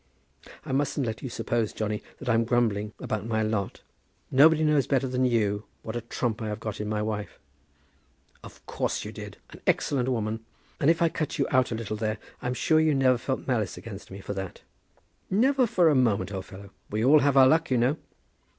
"I mustn't let you suppose, Johnny, that I'm grumbling about my lot. Nobody knows better than you what a trump I got in my wife." "Of course you did; an excellent woman." "And if I cut you out a little there, I'm sure you never felt malice against me for that." "Never for a moment, old fellow." "We all have our luck, you know."